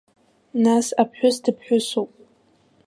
Нас аԥҳәыс дыԥҳәысуп.